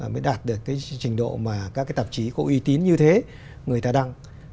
mới đạt được cái trình độ mà các cái tạp chí có uy tín như thế người ta đăng